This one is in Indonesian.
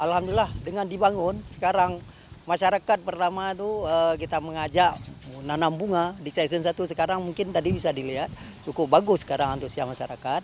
alhamdulillah dengan dibangun sekarang masyarakat pertama itu kita mengajak nanam bunga di season satu sekarang mungkin tadi bisa dilihat cukup bagus sekarang untuk siang masyarakat